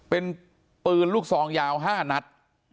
เป็นปืนลูกซองยาว๕นัด